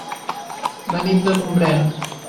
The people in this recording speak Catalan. Venim de Gombrèn.